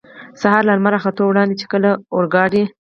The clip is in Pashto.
سهار له لمر را ختو وړاندې، چې کله اورګاډی.